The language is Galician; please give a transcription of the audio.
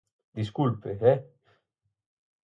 Desculpe, ¡eh!